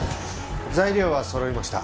材料は揃いました。